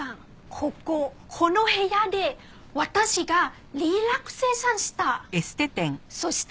こここの部屋で私がリラクゼーションした。